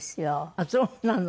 あっそうなの。